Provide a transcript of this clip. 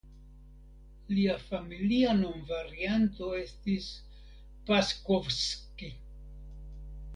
Lia familia nomvarianto estis "Pacskovszki".